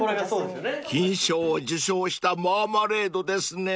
［金賞を受賞したマーマレードですね］